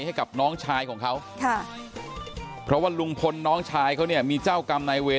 ให้กับน้องชายของเขาค่ะเพราะว่าลุงพลน้องชายเขาเนี่ยมีเจ้ากรรมนายเวร